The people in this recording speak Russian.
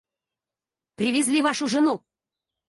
Привезли вашу жену?